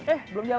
eh belum jalan